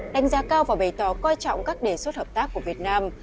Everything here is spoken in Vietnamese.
đánh giá cao và bày tỏ coi trọng các đề xuất hợp tác của việt nam